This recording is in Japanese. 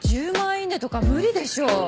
イイネとか無理でしょ。